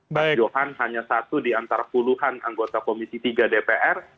mas johan hanya satu di antara puluhan anggota komisi tiga dpr